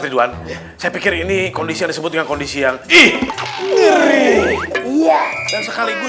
ridwan saya pikir ini kondisi disebutnya kondisi yang ih ngeri iya dan sekaligus